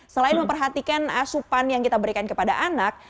selain memperhatikan asupan yang kita berikan kepada anak